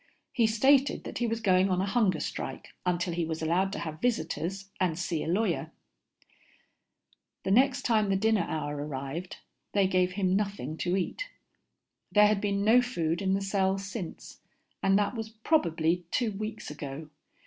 He stated that he was going on a hunger strike until he was allowed to have visitors and see a lawyer. The next time the dinner hour arrived, they gave him nothing to eat. There had been no food in the cell since, and that was probably two weeks ago.